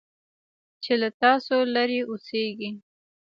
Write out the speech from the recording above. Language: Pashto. چې له تاسو لرې اوسيږي .